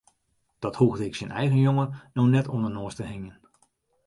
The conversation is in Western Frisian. Dat hoegde ik syn eigen jonge no net oan de noas te hingjen.